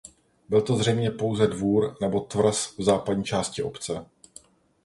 Byl to zřejmě pouze dvůr nebo tvrz v západní části obce.